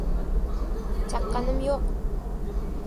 — Chaqqanim yo‘q.